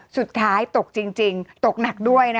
สุดท้ายตกจริงตกหนักด้วยนะคะ